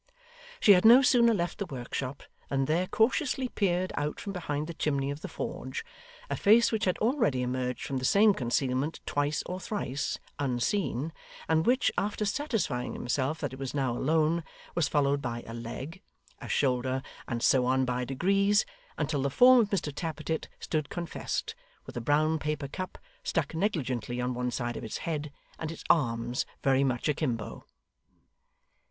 She had no sooner left the workshop than there cautiously peered out from behind the chimney of the forge, a face which had already emerged from the same concealment twice or thrice, unseen, and which, after satisfying itself that it was now alone, was followed by a leg, a shoulder, and so on by degrees, until the form of Mr Tappertit stood confessed, with a brown paper cap stuck negligently on one side of its head, and its arms very much a kimbo.